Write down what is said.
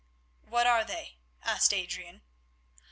"What are they?" asked Adrian.